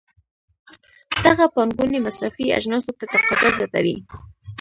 دغه پانګونې مصرفي اجناسو ته تقاضا زیاتوي.